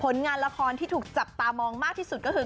งานละครที่ถูกจับตามองมากที่สุดก็คือ